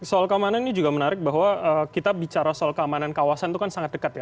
soal keamanan ini juga menarik bahwa kita bicara soal keamanan kawasan itu kan sangat dekat ya